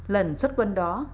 lần xuất quân đó